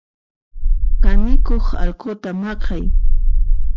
Kanikuq alquta maqay.